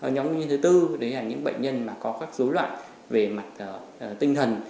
nhóm nguyên nhân thứ tư đấy là những bệnh nhân có các dối loạn về mặt tinh thần